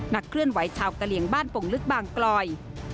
เคลื่อนไหวชาวกะเหลี่ยงบ้านโป่งลึกบางกลอย